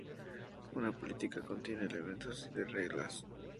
Una política contiene elementos de reglas.